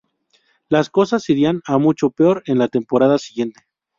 Las cosas irían a mucho peor en la temporada siguiente.